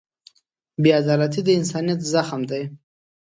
بېعدالتي د انسانیت زخم دی.